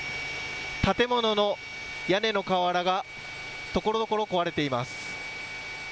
建物の屋根の瓦がところどころ壊れています。